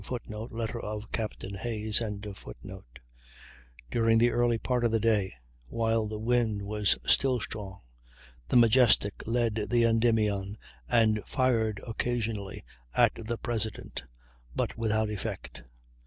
[Footnote: Letter of Capt. Hayes.] During the early part of the day, while the wind was still strong, the Majestic led the Endymion and fired occasionally at the President, but without effect.